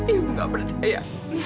ibu nggak percaya